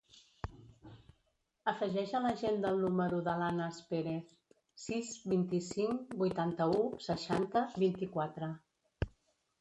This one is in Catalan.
Afegeix a l'agenda el número de l'Anas Perez: sis, vint-i-cinc, vuitanta-u, seixanta, vint-i-quatre.